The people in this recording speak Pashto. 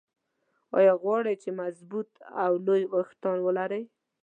ايا غواړئ چې مضبوط او لوى ويښتان ولرى؟